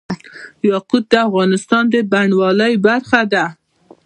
یاقوت د افغانستان د بڼوالۍ برخه ده.